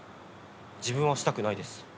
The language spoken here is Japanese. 自分はしたくないです